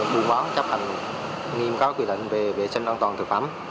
buôn bán chấp hành nghiêm các quy định về vệ sinh an toàn thực phẩm